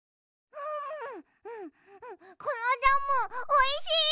うんうんこのジャムおいしい！